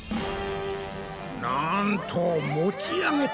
なんと持ち上げた！